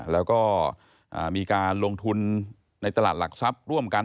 แล้วก็มีการลงทุนในตลาดหลักทรัพย์ร่วมกัน